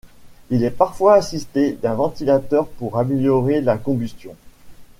Il est parfois assisté d'un ventilateur pour améliorer la combustion.